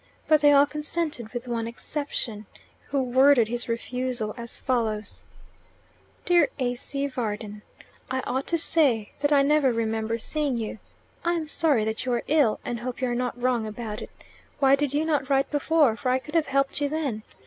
But they all consented with one exception, who worded his refusal as follows: Dear A.C. Varden, I ought to say that I never remember seeing you. I am sorry that you are ill, and hope you are wrong about it. Why did you not write before, for I could have helped you then?